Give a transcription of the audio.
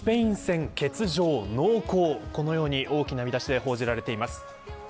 このように大きな見出しで報じられています。